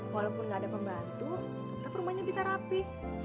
walaupun gak ada pembantu tetap rumahnya bisa rapi